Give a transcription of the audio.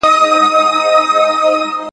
څوكري ووهي